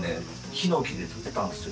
ヒノキで建てたんですよ。